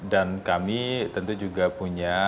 kami tentu juga punya